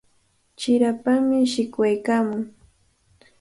Chirapami shikwaykaamun.